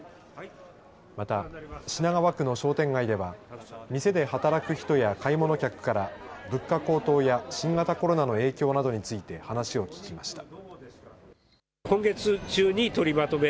また、品川区の商店街では店で働く人や買い物客から物価高騰や新型コロナの影響などについて話を聞きました。